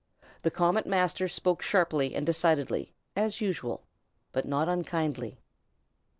The Comet Master spoke sharply and decidedly, as usual, but not unkindly.